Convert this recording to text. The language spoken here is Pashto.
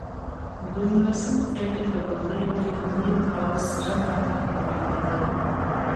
د نولسمې پېړۍ په لومړیو کې نیل او سره دانه تولیدېدل.